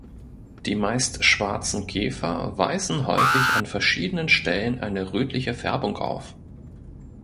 Die meist schwarzen Käfer weisen häufig an verschiedenen Stellen eine rötliche Färbung auf.